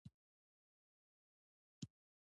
انسان په تیرو لسو کلونو کې همدغه کار کړی دی.